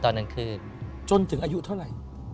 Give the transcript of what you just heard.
โปรดติดตามต่อไป